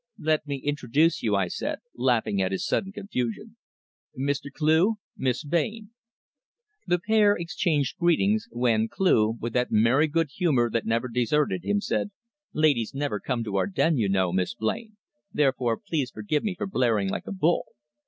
"Let me introduce you," I said, laughing at his sudden confusion. "Mr. Cleugh Miss Blain." The pair exchanged greetings, when Cleugh, with that merry good humour that never deserted him, said "Ladies never come to our den, you know, Miss Blain; therefore please forgive me for blaring like a bull.